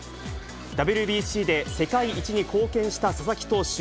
ＷＢＣで世界一に貢献した佐々木投手。